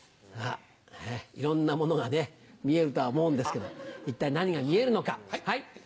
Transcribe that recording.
いろんなものが見えるとは思うんですけど一体何が見えるのか。